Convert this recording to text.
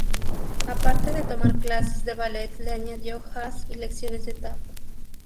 A parte de tomar clases de ballet, le añadió jazz y lecciones de tap.